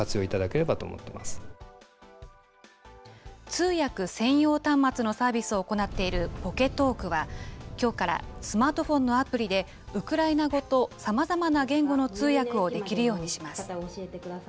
通訳専用端末のサービスを行っているポケトークは、きょうから、スマートフォンのアプリでウクライナ語とさまざまな言語の通訳をできるようにします。